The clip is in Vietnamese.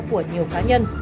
của nhiều cá nhân